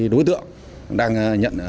đối tượng đang nhận